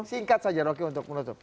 singkat saja roky untuk menutup